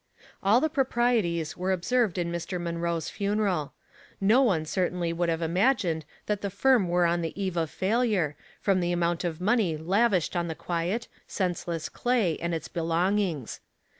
All the proprieties were observed in Mr. Mun roe's funeral. No one certainly would have imagined that the firm were on the eve of failure, from the amount of money lavished on the quiet, senseless clay and its belongings.